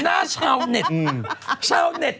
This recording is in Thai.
อยากเห็นหน้าชาวเน็ต